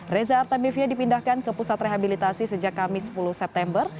reza artamevia dipindahkan ke pusat rehabilitasi sejak kamis sepuluh september